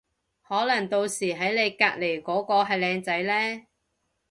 可能到時喺你隔離嗰個係靚仔呢